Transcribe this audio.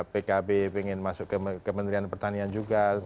pkb ingin masuk ke kementerian pertanian juga